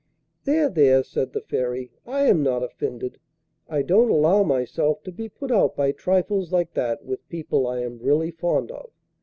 'There! there!' said the Fairy, 'I am not offended. I don't allow myself to be put out by trifles like that with people I really am fond of.